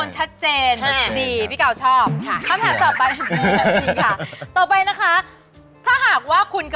มันเปียกเท้าเปียกอยู่เขาพึงก่อน